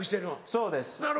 そうです。